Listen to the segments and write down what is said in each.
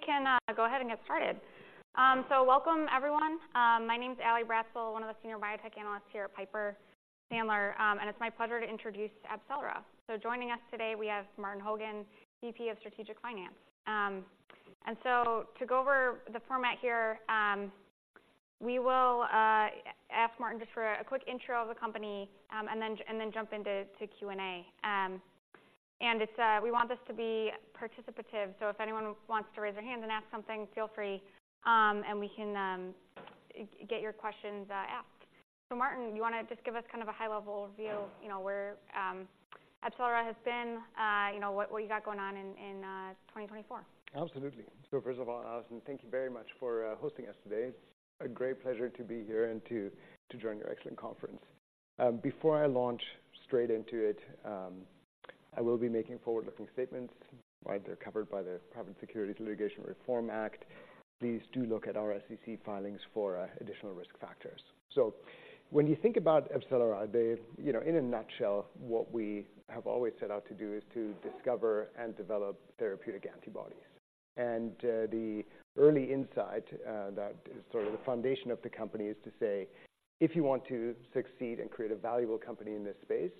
We can go ahead and get started. So welcome, everyone. My name is Allison Bratzel, one of the senior biotech analysts here at Piper Sandler. And it's my pleasure to introduce AbCellera. So joining us today, we have Martin Hogan, VP of Strategic Finance. And so to go over the format here, we will ask Martin just for a quick intro of the company, and then jump into Q&A. And it's we want this to be participative, so if anyone wants to raise their hand and ask something, feel free, and we can get your questions asked. So Martin, you want to just give us kind of a high-level overview, you know, where AbCellera has been, you know, what you got going on in 2024? Absolutely. So first of all, Allison, thank you very much for hosting us today. A great pleasure to be here and to join your excellent conference. Before I launch straight into it, I will be making forward-looking statements, right? They're covered by the Private Securities Litigation Reform Act. Please do look at our SEC filings for additional risk factors. So when you think about AbCellera, you know, in a nutshell, what we have always set out to do is to discover and develop therapeutic antibodies. And the early insight that is sort of the foundation of the company is to say, if you want to succeed and create a valuable company in this space,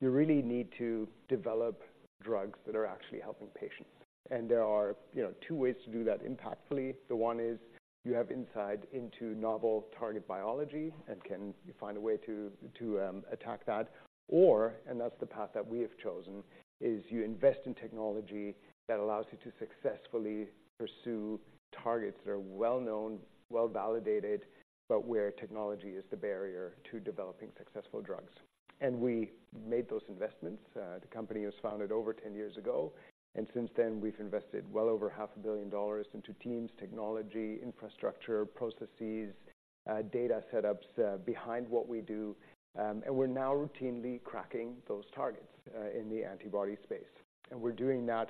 you really need to develop drugs that are actually helping patients. And there are, you know, two ways to do that impactfully. The one is you have insight into novel target biology and can find a way to attack that, and that's the path that we have chosen, is you invest in technology that allows you to successfully pursue targets that are well-known, well-validated, but where technology is the barrier to developing successful drugs. We made those investments. The company was founded over 10 years ago, and since then, we've invested well over $500 million into teams, technology, infrastructure, processes, data setups, behind what we do. And we're now routinely cracking those targets in the antibody space. And we're doing that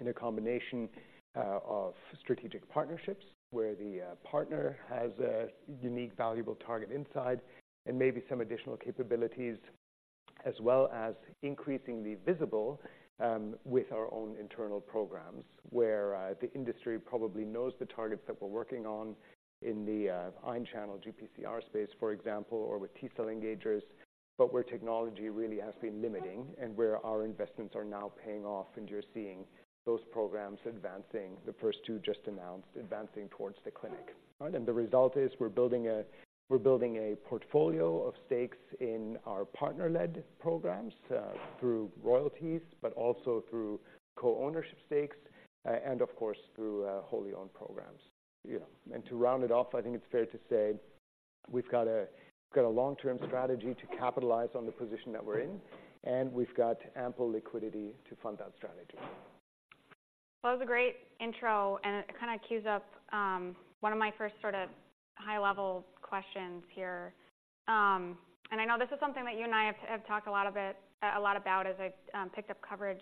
in a combination of strategic partnerships, where the partner has a unique, valuable target insight and maybe some additional capabilities, as well as increasing the visibility with our own internal programs, where the industry probably knows the targets that we're working on in the ion channel GPCR space, for example, or with T-cell engagers, but where technology really has been limiting and where our investments are now paying off, and you're seeing those programs advancing. The first two just announced, advancing towards the clinic, right? And the result is we're building a portfolio of stakes in our partner-led programs through royalties, but also through co-ownership stakes, and of course, through wholly owned programs, you know. To round it off, I think it's fair to say we've got a long-term strategy to capitalize on the position that we're in, and we've got ample liquidity to fund that strategy. Well, that was a great intro, and it kind of cues up one of my first sort of high-level questions here. And I know this is something that you and I have talked a lot about as I picked up coverage.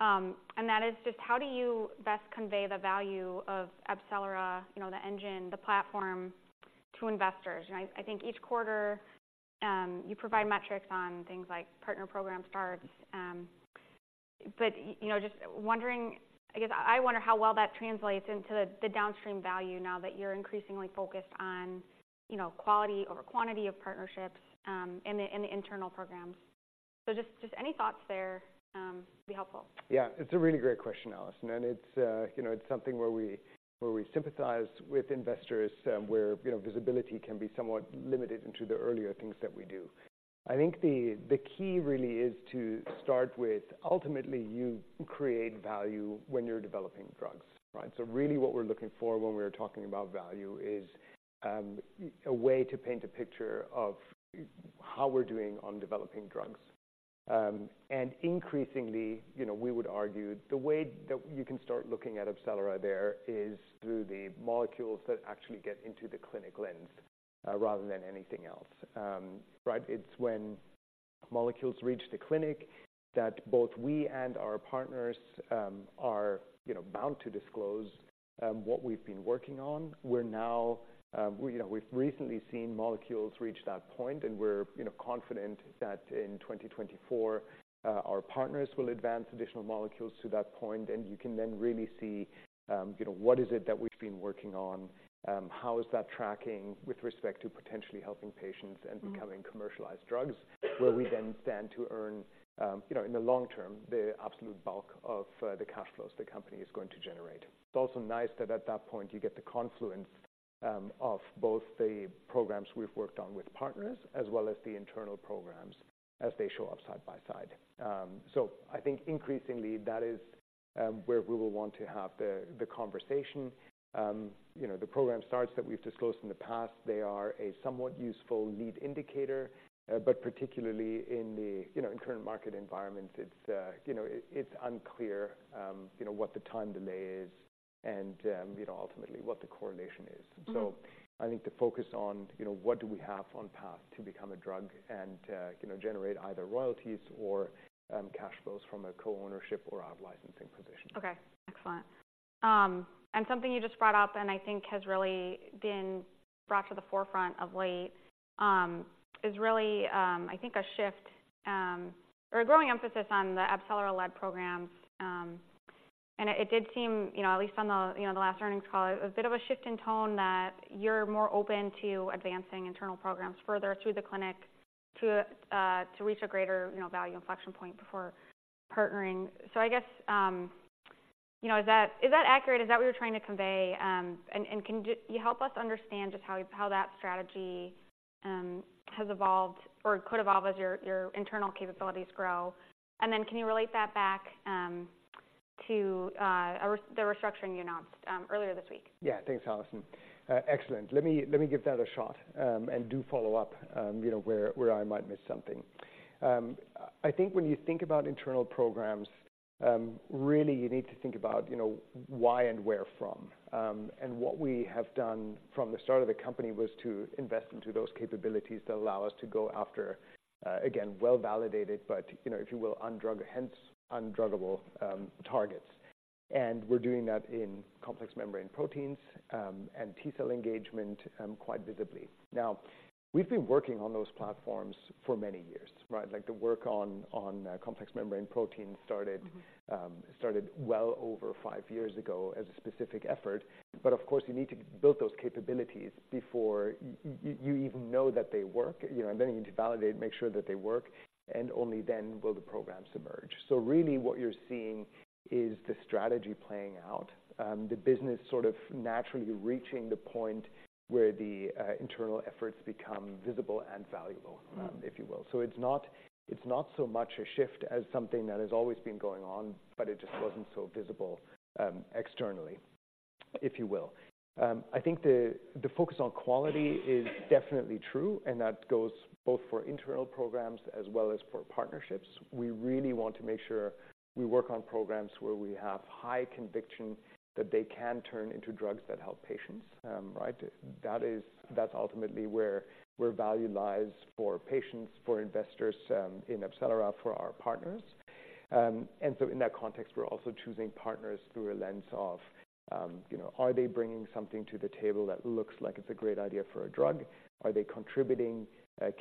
And that is just: how do you best convey the value of AbCellera, you know, the engine, the platform, to investors? You know, I think each quarter you provide metrics on things like partner program starts. But, you know, just wondering... I guess, I wonder how well that translates into the downstream value now that you're increasingly focused on, you know, quality over quantity of partnerships and the internal programs. So just any thoughts there would be helpful. Yeah, it's a really great question, Allison, and it's, you know, it's something where we sympathize with investors, where, you know, visibility can be somewhat limited into the earlier things that we do. I think the key really is to start with ultimately, you create value when you're developing drugs, right? So really, what we're looking for when we're talking about value is a way to paint a picture of how we're doing on developing drugs. And increasingly, you know, we would argue the way that you can start looking at AbCellera there is through the molecules that actually get into the clinic, and rather than anything else. Right? It's when molecules reach the clinic that both we and our partners are, you know, bound to disclose what we've been working on. We're now... You know, we've recently seen molecules reach that point, and we're, you know, confident that in 2024, our partners will advance additional molecules to that point. And you can then really see, you know, what is it that we've been working on? How is that tracking with respect to potentially helping patients and becoming commercialized drugs, where we then stand to earn, you know, in the long term, the absolute bulk of the cash flows the company is going to generate. It's also nice that at that point, you get the confluence of both the programs we've worked on with partners, as well as the internal programs as they show up side by side. So I think increasingly that is where we will want to have the conversation. You know, the program starts that we've disclosed in the past, they are a somewhat useful lead indicator, but particularly in the, you know, in current market environments, it's unclear, you know, what the time delay is and, you know, ultimately what the correlation is. Mm-hmm. So I think the focus on, you know, what do we have on path to become a drug and, you know, generate either royalties or cash flows from a co-ownership or out-licensing position. Okay, excellent. And something you just brought up, and I think has really been brought to the forefront of late, is really, I think, a shift, or a growing emphasis on the AbCellera-led programs. And it did seem, you know, at least on the, you know, the last earnings call, a bit of a shift in tone that you're more open to advancing internal programs further through the clinic to reach a greater, you know, value inflection point before partnering. So I guess, you know, is that, is that accurate? Is that what you're trying to convey? And can you help us understand just how that strategy has evolved or could evolve as your internal capabilities grow? And then can you relate that back to the restructuring you announced earlier this week? Yeah. Thanks, Allison. Excellent. Let me give that a shot, and do follow up, you know, where I might miss something. I think when you think about internal programs, really you need to think about, you know, why and where from. And what we have done from the start of the company was to invest into those capabilities that allow us to go after, again, well-validated, but, you know, if you will, undrug, hence undruggable, targets. And we're doing that in complex membrane proteins, and T-cell engagement, quite visibly. Now, we've been working on those platforms for many years, right? Like, the work on complex membrane proteins started well over five years ago as a specific effort. But of course, you need to build those capabilities before you even know that they work, you know, and then you need to validate, make sure that they work, and only then will the programs emerge. So really what you're seeing is the strategy playing out, the business sort of naturally reaching the point where the internal efforts become visible and valuable, if you will. So it's not, it's not so much a shift as something that has always been going on, but it just wasn't so visible externally, if you will. I think the focus on quality is definitely true, and that goes both for internal programs as well as for partnerships. We really want to make sure we work on programs where we have high conviction that they can turn into drugs that help patients, right? That's ultimately where value lies for patients, for investors, in AbCellera, for our partners. And so in that context, we're also choosing partners through a lens of, you know, are they bringing something to the table that looks like it's a great idea for a drug? Are they contributing,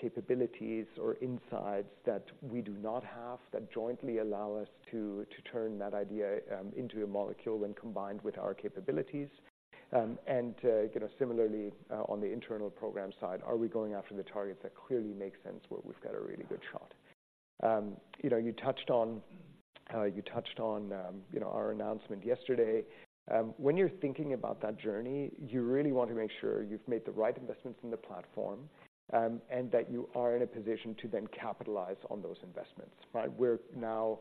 capabilities or insights that we do not have, that jointly allow us to, to turn that idea, into a molecule when combined with our capabilities? And, you know, similarly, on the internal program side, are we going after the targets that clearly make sense, where we've got a really good shot? You know, you touched on, you touched on, you know, our announcement yesterday. When you're thinking about that journey, you really want to make sure you've made the right investments in the platform, and that you are in a position to then capitalize on those investments, right? We're now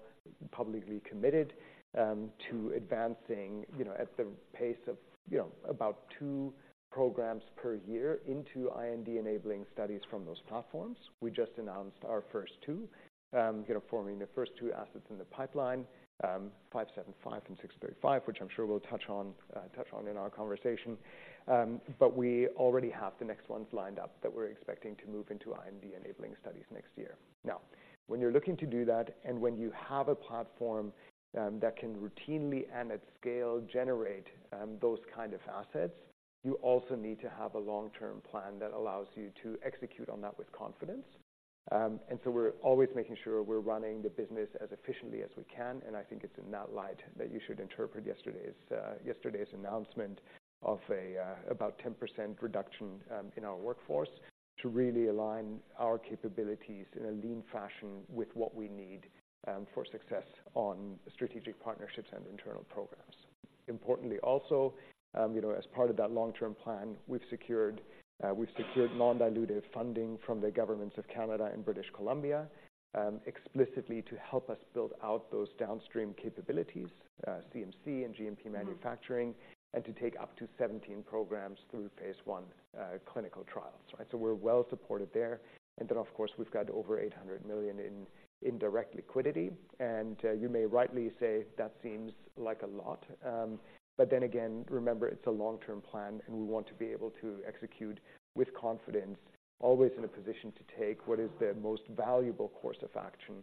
publicly committed to advancing, you know, at the pace of, you know, about two programs per year into IND-enabling studies from those platforms. We just announced our first two, you know, forming the first two assets in the pipeline, 575 and 635, which I'm sure we'll touch on in our conversation. But we already have the next ones lined up that we're expecting to move into IND-enabling studies next year. Now, when you're looking to do that, and when you have a platform that can routinely and at scale generate those kind of assets, you also need to have a long-term plan that allows you to execute on that with confidence. And so we're always making sure we're running the business as efficiently as we can, and I think it's in that light that you should interpret yesterday's yesterday's announcement of a about 10% reduction in our workforce to really align our capabilities in a lean fashion with what we need for success on strategic partnerships and internal programs. Importantly, also, you know, as part of that long-term plan, we've secured, we've secured non-dilutive funding from the governments of Canada and British Columbia, explicitly to help us build out those downstream capabilities, CMC and GMP manufacturing, and to take up to 17 programs through phase 1 clinical trials, right? So we're well supported there. And then, of course, we've got over $800 million in direct liquidity. And, you may rightly say that seems like a lot. But then again, remember, it's a long-term plan, and we want to be able to execute with confidence, always in a position to take what is the most valuable course of action,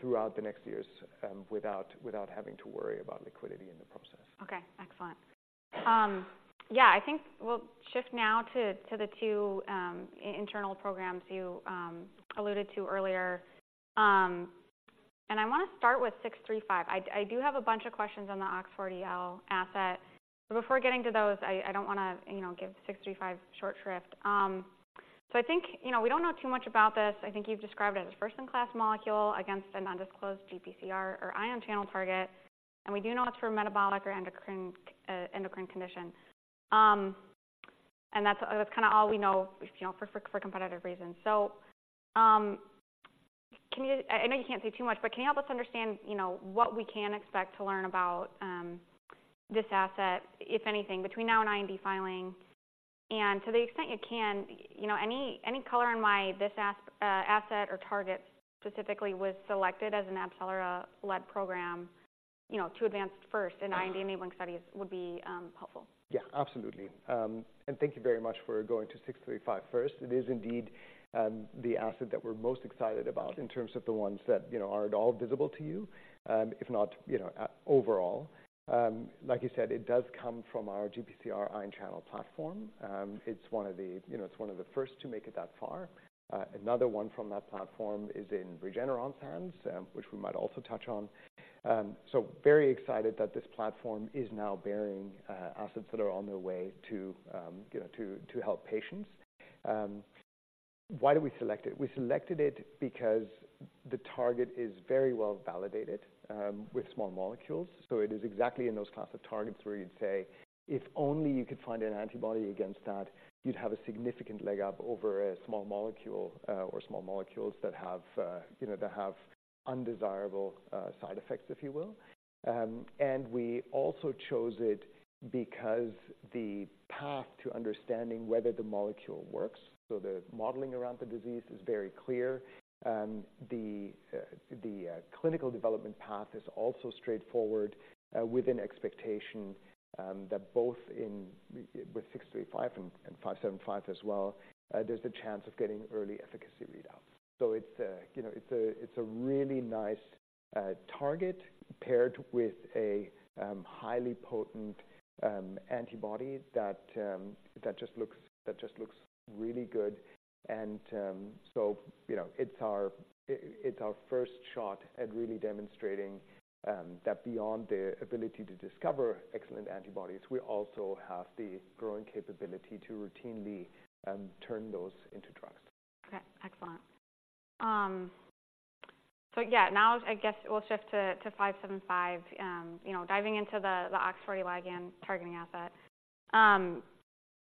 throughout the next years, without having to worry about liquidity in the process. Okay, excellent. Yeah, I think we'll shift now to the two internal programs you alluded to earlier. And I want to start with 635. I do have a bunch of questions on the OX40L asset. But before getting to those, I don't want to, you know, give 635 short shrift. So I think, you know, we don't know too much about this. I think you've described it as a first-in-class molecule against a non-disclosed GPCR or ion channel target, and we do know it's for metabolic or endocrine endocrine conditions. And that's kind of all we know, you know, for competitive reasons. So can you... I know you can't say too much, but can you help us understand, you know, what we can expect to learn about this asset, if anything, between now and IND filing? And to the extent you can, you know, any, any color on why this asset or target specifically was selected as an AbCellera-led program, you know, to advance first in IND-enabling studies would be helpful. Yeah, absolutely. And thank you very much for going to 635 first. It is indeed the asset that we're most excited about in terms of the ones that, you know, are at all visible to you, if not, you know, overall. Like you said, it does come from our GPCR ion channel platform. It's one of the, you know, it's one of the first to make it that far. Another one from that platform is in Regeneron's hands, which we might also touch on. So very excited that this platform is now bearing assets that are on their way to, you know, to help patients. Why did we select it? We selected it because the target is very well validated with small molecules. So it is exactly in those class of targets where you'd say, "If only you could find an antibody against that, you'd have a significant leg up over a small molecule, or small molecules that have, you know, that have undesirable side effects," if you will. And we also chose it because the path to understanding whether the molecule works, so the modeling around the disease is very clear. The clinical development path is also straightforward, with an expectation that both in with 635 and 575 as well, there's the chance of getting early efficacy readout. So it's, you know, it's a really nice target paired with a highly potent antibody that just looks really good. You know, it's our first shot at really demonstrating that beyond the ability to discover excellent antibodies, we also have the growing capability to routinely turn those into drugs. Okay, excellent. So yeah, now I guess we'll shift to 575. You know, diving into the OX40 ligand targeting asset.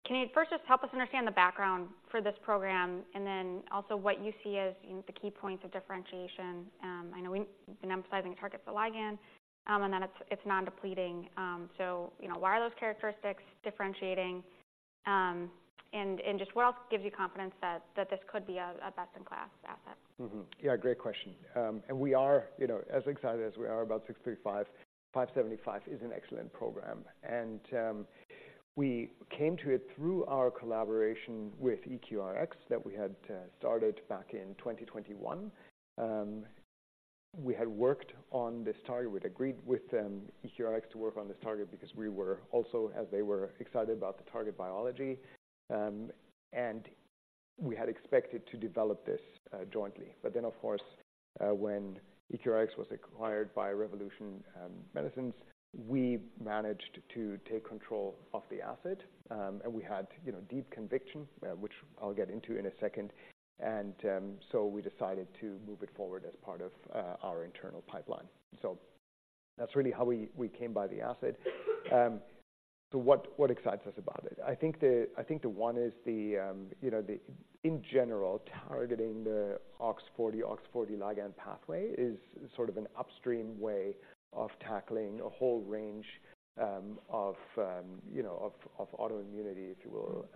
Can you first just help us understand the background for this program, and then also what you see as you know, the key points of differentiation? I know we've been emphasizing it targets the ligand, and then it's non-depleting. So, you know, why are those characteristics differentiating? And just what else gives you confidence that this could be a best-in-class asset? Mm-hmm. Yeah, great question. And we are, you know, as excited as we are about 635, 575 is an excellent program. And we came to it through our collaboration with EQRx, that we had started back in 2021. We had worked on this target. We'd agreed with EQRx to work on this target because we were also, as they were, excited about the target biology. And we had expected to develop this jointly. But then, of course, when EQRx was acquired by Revolution Medicines, we managed to take control of the asset. And we had, you know, deep conviction, which I'll get into in a second. And so we decided to move it forward as part of our internal pipeline. So that's really how we came by the asset. So what, what excites us about it? I think the, I think the one is the, you know, the, in general, targeting the OX40, OX40 ligand pathway is sort of an upstream way of tackling a whole range, of, you know, of, of autoimmunity, if you will.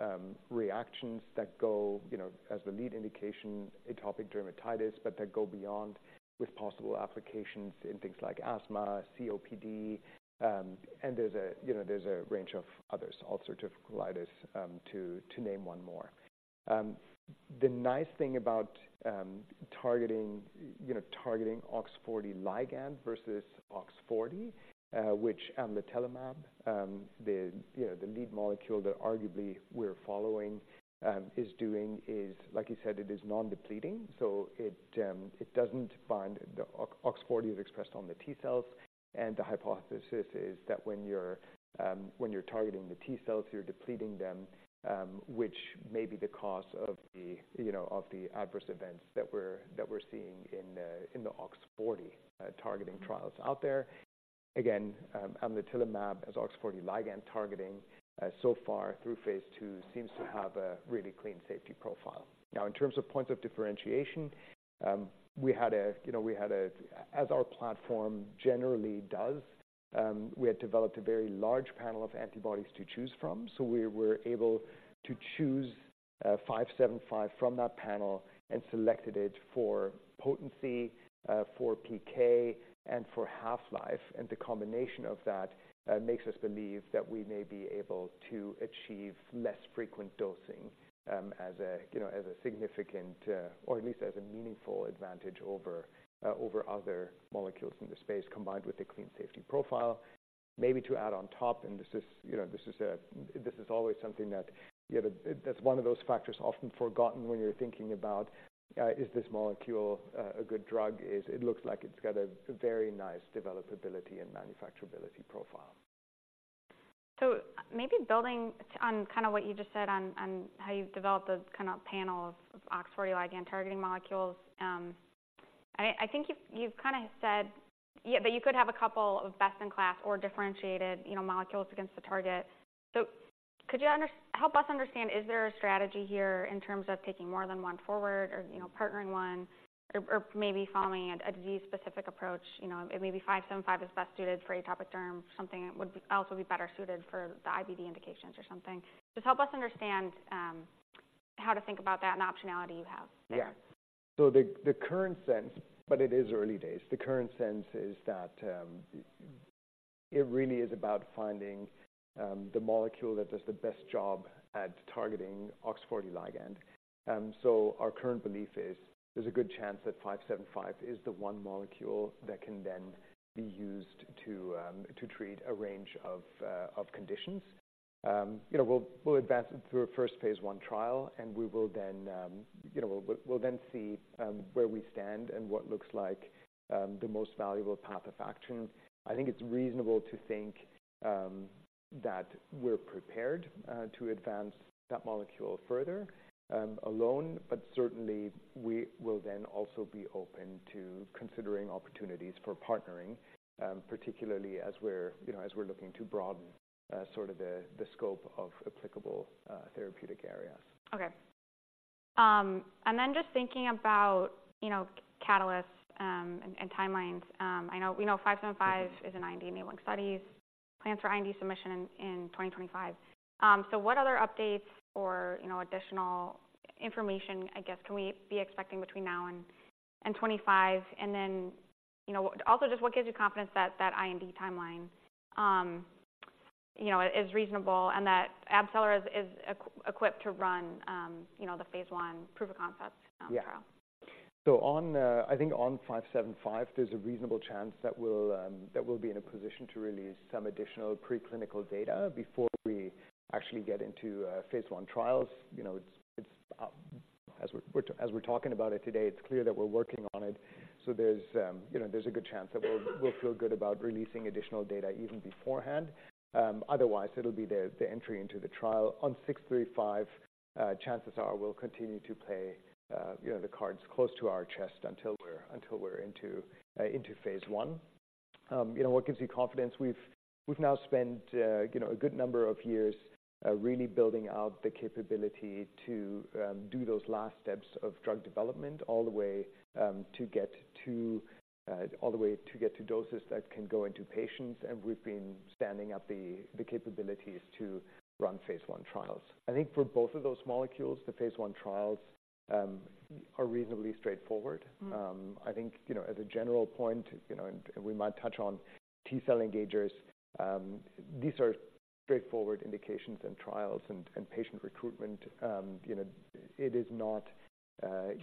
Reactions that go, you know, as the lead indication, atopic dermatitis, but that go beyond with possible applications in things like asthma, COPD, and there's a, you know, there's a range of others, ulcerative colitis, to, to name one more. The nice thing about, targeting, you know, targeting OX40 ligand versus OX40, which amlitelimab, the, you know, the lead molecule that arguably we're following, is doing is, like you said, it is non-depleting, so it, it doesn't bind. The OX40 is expressed on the T cells, and the hypothesis is that when you're, when you're targeting the T cells, you're depleting them, which may be the cause of the, you know, of the adverse events that we're, that we're seeing in the, in the OX40, targeting trials out there. Again, amlitelimab as OX40 ligand targeting, so far through phase 2, seems to have a really clean safety profile. Now, in terms of points of differentiation, we had a, you know, we had a... As our platform generally does, we had developed a very large panel of antibodies to choose from, so we were able to choose 575 from that panel and selected it for potency, for PK and for half-life, and the combination of that makes us believe that we may be able to achieve less frequent dosing, as a, you know, as a significant, or at least as a meaningful advantage over, over other molecules in the space, combined with a clean safety profile. Maybe to add on top, and this is, you know, this is a, this is always something that, that's one of those factors often forgotten when you're thinking about, is this molecule a good drug? It looks like it's got a very nice developability and manufacturability profile. So maybe building on kind of what you just said on, on how you've developed the kind of panel of, of OX40 ligand targeting molecules, I, I think you've, you've kind of said, yeah, that you could have a couple of best-in-class or differentiated, you know, molecules against the target. So could you help us understand, is there a strategy here in terms of taking more than one forward or, you know, partnering one or, or maybe following a disease-specific approach? You know, maybe 575 is best suited for atopic derm, something would be... else would be better suited for the IBD indications or something. Just help us understand, how to think about that and optionality you have there. Yeah. So the current sense, but it is early days. The current sense is that, it really is about finding, the molecule that does the best job at targeting OX40 ligand. So our current belief is, there's a good chance that 575 is the one molecule that can then be used to, to treat a range of, of conditions. You know, we'll, we'll advance it through a first phase one trial, and we will then, you know, we'll, we'll then see, where we stand and what looks like, the most valuable path of action. I think it's reasonable to think that we're prepared to advance that molecule further alone, but certainly we will then also be open to considering opportunities for partnering, particularly as we're, you know, as we're looking to broaden sort of the scope of applicable therapeutic areas. Okay. And then just thinking about, you know, catalysts, and timelines. I know, we know 575 is in IND-enabling studies, plans for IND submission in 2025. So what other updates or, you know, additional information, I guess, can we be expecting between now and 2025? And then, you know, also just what gives you confidence that that IND timeline, you know, is reasonable and that AbCellera is equipped to run, you know, the phase 1 proof-of-concept trial? Yeah. So on, I think on 575, there's a reasonable chance that we'll be in a position to release some additional preclinical data before we actually get into phase 1 trials. You know, it's as we're talking about it today, it's clear that we're working on it. So there's you know, there's a good chance that we'll feel good about releasing additional data even beforehand. Otherwise, it'll be the entry into the trial. On 635, chances are we'll continue to play you know, the cards close to our chest until we're into phase 1. You know, what gives you confidence? We've now spent, you know, a good number of years, really building out the capability to do those last steps of drug development all the way to get to doses that can go into patients, and we've been standing up the capabilities to run phase one trials. I think for both of those molecules, the phase one trials are reasonably straightforward. Mm. I think, you know, as a general point, you know, and, and we might touch on T-cell engagers, these are straightforward indications and trials and, and patient recruitment. You know, it is not,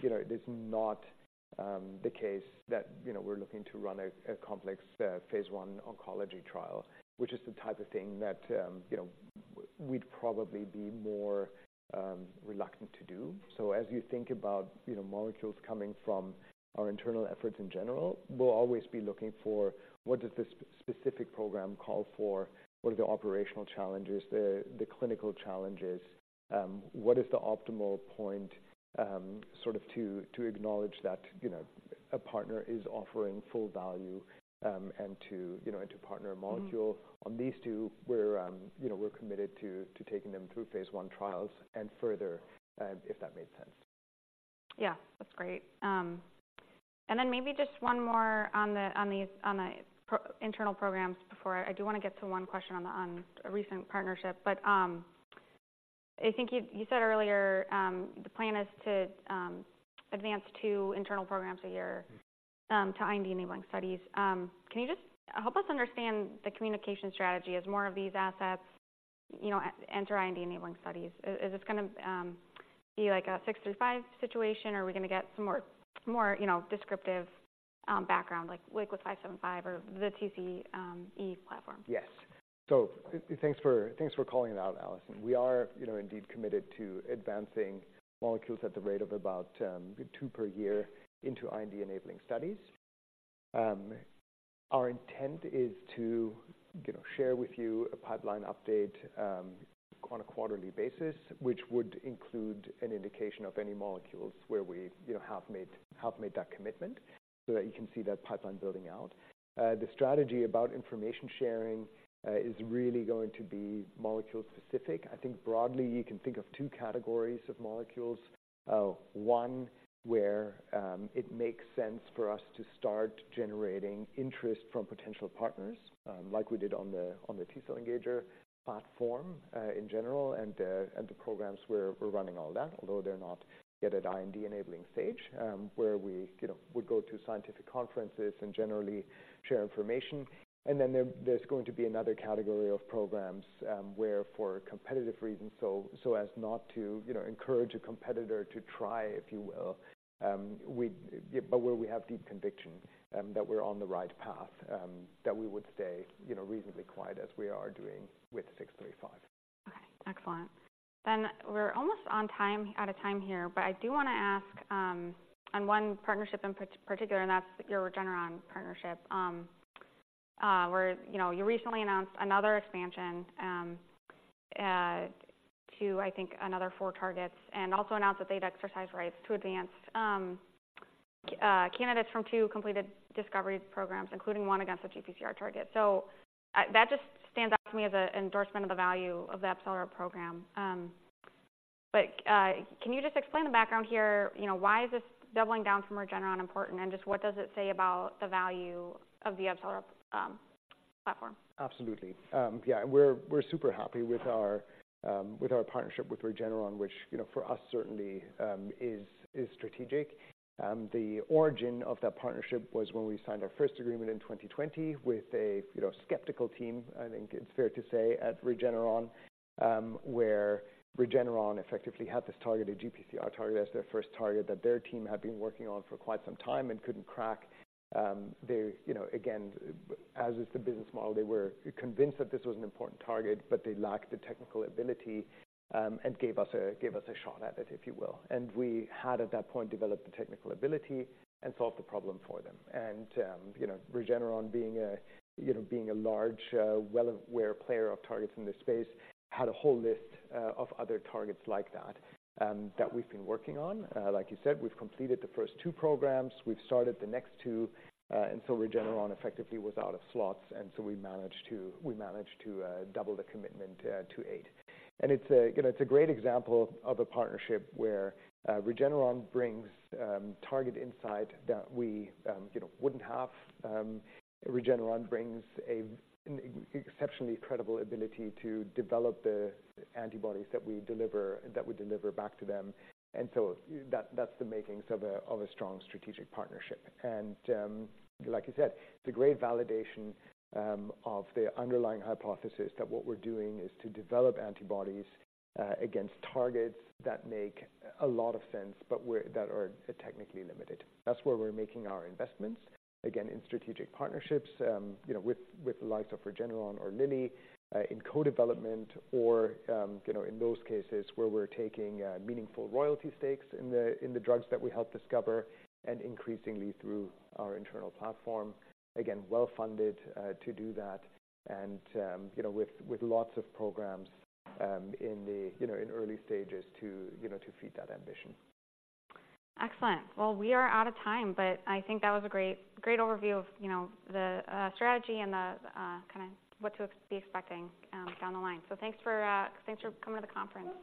you know, it is not the case that, you know, we're looking to run a complex phase one oncology trial, which is the type of thing that, you know, we'd probably be more reluctant to do. So as you think about, you know, molecules coming from our internal efforts in general, we'll always be looking for what does this specific program call for? What are the operational challenges, the clinical challenges? What is the optimal point, sort of to acknowledge that, you know, a partner is offering full value, and to, you know, and to partner a molecule- Mm. On these two, we're, you know, we're committed to taking them through phase one trials and further, if that made sense. Yeah, that's great. And then maybe just one more on the internal programs before I do want to get to one question on a recent partnership. But I think you said earlier the plan is to advance two internal programs a year- Mm-hmm. to IND-enabling studies. Can you just help us understand the communication strategy as more of these assets, you know, enter IND-enabling studies? Is this gonna be like a 635 situation, or are we gonna get some more, you know, descriptive background, like with 575 or the TCE platform? Yes. So thanks for, thanks for calling it out, Allison. We are, you know, indeed committed to advancing molecules at the rate of about two per year into IND-enabling studies. Our intent is to, you know, share with you a pipeline update on a quarterly basis, which would include an indication of any molecules where we, you know, have made, have made that commitment, so that you can see that pipeline building out. The strategy about information sharing is really going to be molecule specific. I think broadly, you can think of two categories of molecules. One, where it makes sense for us to start generating interest from potential partners, like we did on the T-cell engager platform, in general, and the programs we're running, all that, although they're not yet at IND-enabling stage, where we, you know, would go to scientific conferences and generally share information. And then there's going to be another category of programs, where for competitive reasons, so as not to, you know, encourage a competitor to try, if you will, we... But where we have deep conviction that we're on the right path, that we would stay, you know, reasonably quiet as we are doing with six three five. Okay, excellent. Then we're almost on time, out of time here, but I do want to ask, on one partnership in particular, and that's your Regeneron partnership. Where, you know, you recently announced another expansion, to, I think, another four targets, and also announced that they'd exercise rights to advance, candidates from two completed discovery programs, including one against a GPCR target. So, that just stands out to me as an endorsement of the value of the AbCellera program. But, can you just explain the background here? You know, why is this doubling down from Regeneron important, and just what does it say about the value of the AbCellera,... Absolutely. Yeah, we're super happy with our partnership with Regeneron, which, you know, for us, certainly, is strategic. The origin of that partnership was when we signed our first agreement in 2020 with a, you know, skeptical team, I think it's fair to say, at Regeneron. Where Regeneron effectively had this targeted GPCR target as their first target that their team had been working on for quite some time and couldn't crack. They, you know, again, as is the business model, they were convinced that this was an important target, but they lacked the technical ability, and gave us a shot at it, if you will. And we had, at that point, developed the technical ability and solved the problem for them. You know, Regeneron being a, you know, being a large, well aware player of targets in this space, had a whole list of other targets like that that we've been working on. Like you said, we've completed the first two programs. We've started the next two, and so Regeneron effectively was out of slots, and so we managed to double the commitment to eight. And it's a, you know, it's a great example of a partnership where Regeneron brings target insight that we, you know, wouldn't have. Regeneron brings an exceptionally incredible ability to develop the antibodies that we deliver back to them, and so that, that's the makings of a strong strategic partnership. Like you said, it's a great validation of the underlying hypothesis that what we're doing is to develop antibodies against targets that make a lot of sense, but that are technically limited. That's where we're making our investments, again, in strategic partnerships, you know, with, with the likes of Regeneron or Lilly, in co-development or, you know, in those cases where we're taking meaningful royalty stakes in the, in the drugs that we help discover, and increasingly through our internal platform. Again, well-funded to do that and, you know, with, with lots of programs in the, you know, in early stages to, you know, to feed that ambition. Excellent. Well, we are out of time, but I think that was a great, great overview of, you know, the strategy and the kind of what to expect down the line. So thanks for coming to the conference.